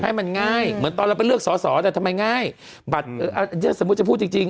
ให้มันง่ายเหมือนตอนเราไปเลือกสอสอแต่ทำไมง่ายบัตรถ้าสมมุติจะพูดจริงจริง